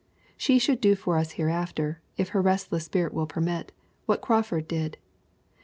She should do for us hereafter, if her restless spirit will permit, what Crawford did.